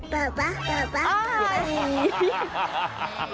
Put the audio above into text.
เปอปะเปอปะเปอปะ